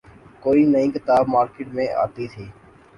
کوئی نئی کتاب مارکیٹ میں آتی تھی۔